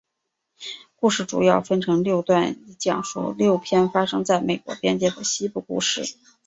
故事主要分成六段以讲述六篇发生在美国边界的西部故事。